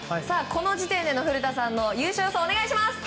この時点での古田さんの優勝予想をお願いします。